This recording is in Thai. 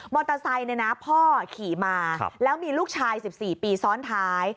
มอเตอร์ไซค์พ่อขี่มาแล้วมีลูกชาย๑๔ปีซ้อนท้าย